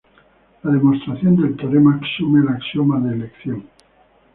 La demostración del teorema asume el axioma de elección.